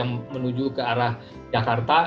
yang menuju ke arah jakarta